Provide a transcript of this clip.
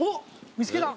見つけた！